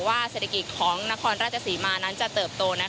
ว่าเศรษฐกิจของนครราชสีมานั้นจะเติบโตนะคะ